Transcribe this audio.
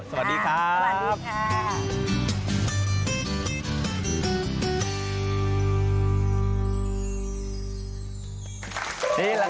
สวัสดีครับสวัสดีค่ะ